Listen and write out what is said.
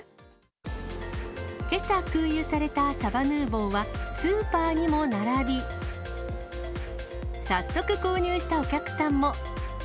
けさ空輸されたサバヌーヴォーはスーパーにも並び、早速、購入したお客さんも。